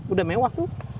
udah mewah tuh